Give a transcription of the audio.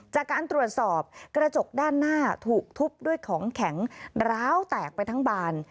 จากการตรวจสอบกระจกด้านหน้าถูกทุบด้วยของแข็งร้าวแตกไปทั้งบาน